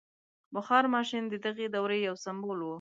• بخار ماشین د دغې دورې یو سمبول و.